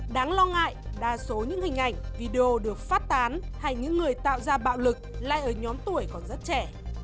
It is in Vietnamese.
đáng lo ngại đa số những hình ảnh video được phát tán hay những người tạo ra bạo lực lại ở nhóm tuổi còn rất trẻ